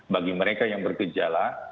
bagi mereka yang berkejala